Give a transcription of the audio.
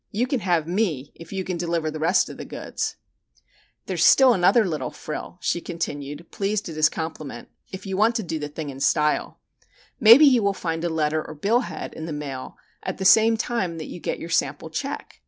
You can have me, if you can deliver the rest of the goods." [Illustration: FIG.3. A letter head frill of Mabel Parker's.] "There's still another little frill," she continued, pleased at his compliment, "if you want to do the thing in style. Maybe you will find a letter or bill head in the mail at the same time that you get your sample check.